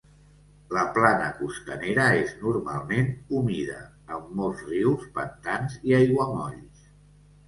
La plana costanera és normalment humida, amb molts rius, pantans i aiguamolls.